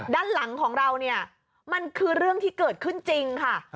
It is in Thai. ด้านหลังของเราเนี่ยมันคือเรื่องที่เกิดขึ้นจริงค่ะ